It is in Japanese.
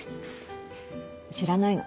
知らないの。